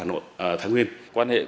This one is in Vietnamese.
mắt xích cực kỳ quan trọng